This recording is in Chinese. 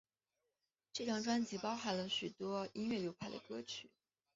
这张专辑包含了许多音乐流派的歌曲。